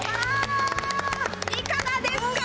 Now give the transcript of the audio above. いかがですか？